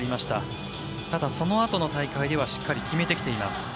ただ、そのあとの大会ではしっかり決めてきています。